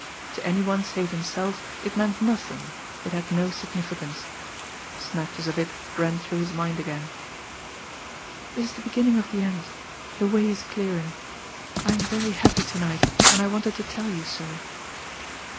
To any one save himself it meant nothing, it had no significance. Snatches of it ran through his mind again: "... It is the beginning of the end.... The way is clearing ... I am very happy to night, and I wanted to tell you so...."